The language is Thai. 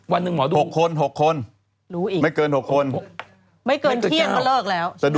วันหนึ่งหมอดู๖คน๖คนรู้อีกไม่เกิน๖คนไม่เกินเที่ยงก็เลิกแล้ว